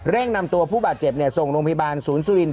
นำตัวผู้บาดเจ็บส่งโรงพยาบาลศูนย์สุรินท